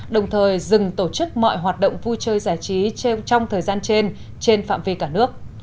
đồng thời dừng tổ chức mọi hoạt động vui chơi giải trí trong thời gian trên trên phạm vi cả nước